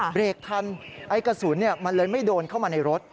เบรกทันไอ้กระสุนมันเลยไม่โดนเข้ามาในรถ